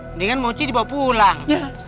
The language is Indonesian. mendingan moci dibawa pulang